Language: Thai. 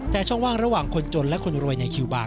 แต่ช่องว่างระหว่างคนจนและคนรวยในคิวบาร์